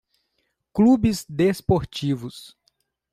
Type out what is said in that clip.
clubes desportivos.